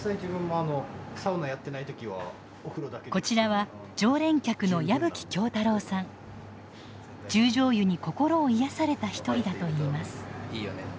こちらは十條湯に心を癒やされた一人だといいます。